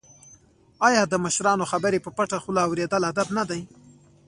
آیا د مشرانو خبرې په پټه خوله اوریدل ادب نه دی؟